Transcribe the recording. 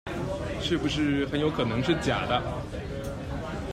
是不是很有可能是假的